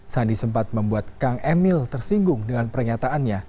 sandi sempat membuat kang emil tersinggung dengan pernyataannya